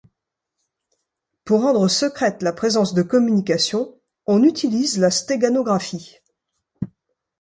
Pour rendre secrète la présence de communications, on utilise la stéganographie.